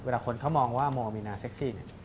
เวลาคนเขามองว่าโมมินาเซ็กซี่